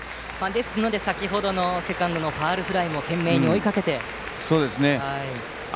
ですので、先程のセカンドのファウルフライも懸命に追いかけていました。